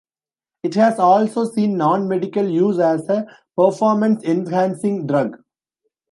It has also seen non-medical use as a performance-enhancing drug.